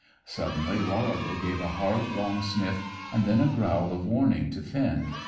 Suddenly Warrigal gave a hard, long sniff, and then a growl of warning to Finn.